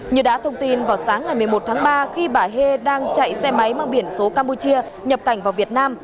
như đã thông tin vào sáng ngày một mươi một tháng ba khi bà hê đang chạy xe máy mang biển số campuchia nhập cảnh vào việt nam